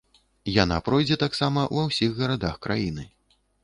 Яна пройдзе таксама ва ўсіх гарадах краіны.